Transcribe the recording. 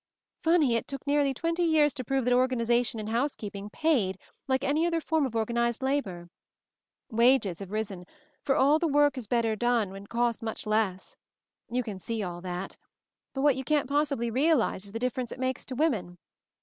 Funny! It took nearly twenty years to prove that organization in housekeeping paid, like any other form of organized labor. Wages have risen, all the work is better done and it costs much less. You can see all that. But what you can't possibly realize is the difference it makes to women.